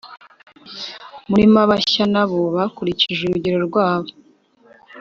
murimo Abashya na bo bakurikije urugero rwabo